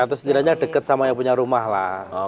atau setidaknya dekat sama yang punya rumah lah